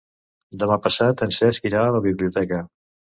Demà passat en Cesc irà a la biblioteca.